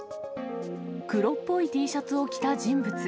黒っぽいＴシャツを着た人物。